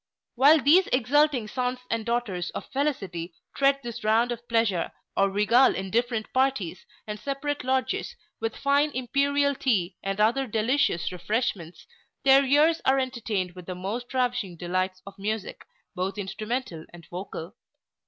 While these exulting sons and daughters of felicity tread this round of pleasure, or regale in different parties, and separate lodges, with fine imperial tea and other delicious refreshments, their ears are entertained with the most ravishing delights of music, both instrumental and vocal.